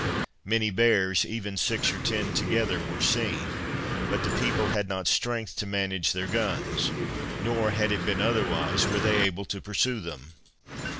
Many bears, even six or ten together were seen; but the people had not strength to manage their guns, nor, had it been otherwise, were they able to pursue them.